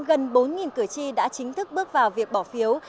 gần bốn cử tri đã chính thức bước vào việc bỏ phiếu